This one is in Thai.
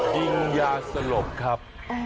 ยิงยาสลบครับ